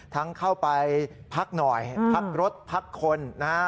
เข้าไปพักหน่อยพักรถพักคนนะฮะ